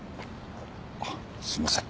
あっすいません。